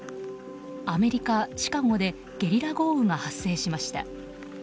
アメリカ・シカゴでゲリラ豪雨が発生しました。